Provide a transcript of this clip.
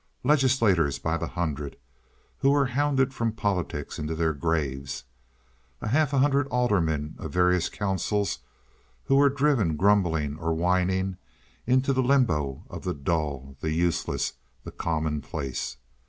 Legislators by the hundred, who were hounded from politics into their graves; a half hundred aldermen of various councils who were driven grumbling or whining into the limbo of the dull, the useless, the commonplace.